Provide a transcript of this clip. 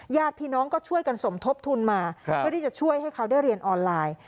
ญาติพี่น้องก็ช่วยกันสมทบทุนมาเพื่อที่จะช่วยให้เขาได้เรียนออนไลน์